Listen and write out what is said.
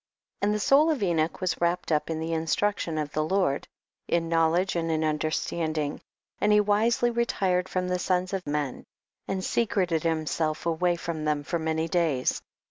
2. And the soul of Enoch was wrapped up in the instruction of the Lord, in knowledge and in under standing ; and he wisely retired from the sons of men, and secreted him self from them for many days.